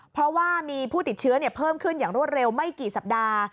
เพราะว่ามีผู้ติดเชื้อเพิ่มขึ้นอย่างรวดเร็วไม่กี่สัปดาห์